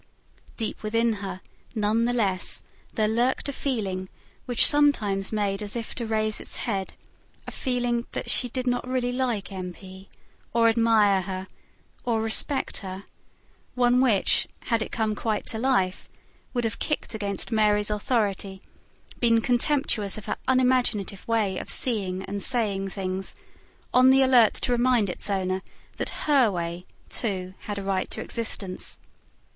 Deep within her, none the less, there lurked a feeling which sometimes made as if to raise its head: a feeling that she did not really like M. P., or admire her, or respect her; one which, had it come quite to life, would have kicked against Mary's authority, been contemptuous of her unimaginative way of seeing and saying things, on the alert to remind its owner that HER way, too, had a right to existence.